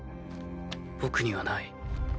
僕にはない。